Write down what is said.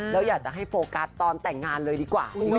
แล้วอยากจะให้โฟกัสตอนแต่งงานเลยดีกว่า